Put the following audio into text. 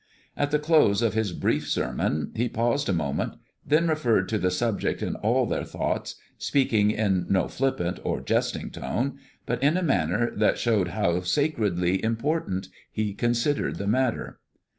At the close of his brief sermon he paused a moment, then referred to the subject in all their thoughts, speaking in no flippant or jesting tone, but in a manner that showed how sacredly important he considered the matter.